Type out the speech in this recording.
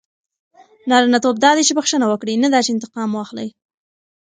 نارینه توب دا دئ، چي بخښنه وکړئ؛ نه دا چي انتقام واخلى.